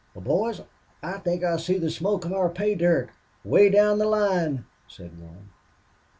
"Well, boys, I think I see the smoke of our pay dirt, way down the line," said one.